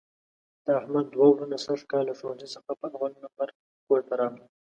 د احمد دوه وروڼه سږ کال له ښوونځي څخه په اول لمبر کورته راغلل.